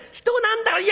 人なんだ」。